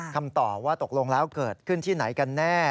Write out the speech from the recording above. คำตอบว่าตกลงแล้วเกิดขึ้นที่ไหนกันแน่